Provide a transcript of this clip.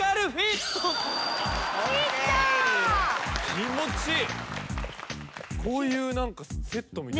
気持ちいい。